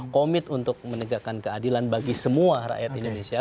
komit untuk menegakkan keadilan bagi semua rakyat indonesia